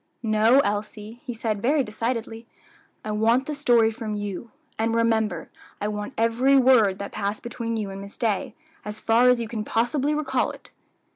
"No, Elsie," he said, very decidedly; "I want the story from you; and remember, I want every word that passed between you and Miss Day, as far as you can possibly recall it."